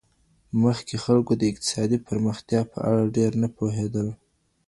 مخکې خلګو د اقتصادي پرمختیا په اړه ډېر نه پوهېدل.